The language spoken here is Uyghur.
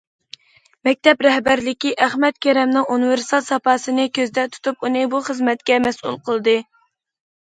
مەكتەپ رەھبەرلىكى ئەخمەت كېرەمنىڭ ئۇنىۋېرسال ساپاسىنى كۆزدە تۇتۇپ، ئۇنى بۇ خىزمەتكە مەسئۇل قىلدى.